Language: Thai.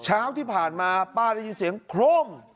เช้าที่ผ่านมาป้าได้ยินเสียงโครม